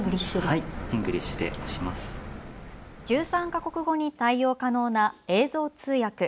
１３か国語に対応可能な映像通訳。